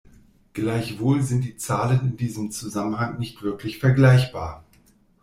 Gleichwohl sind die Zahlen in diesem Zusammenhang nicht wirklich vergleichbar.